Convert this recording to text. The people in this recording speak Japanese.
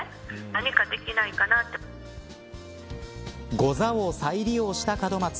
ござを再利用した門松。